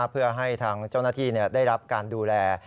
เพื่อให้ทางเจ้าหน้าที่ได้รับการดูแล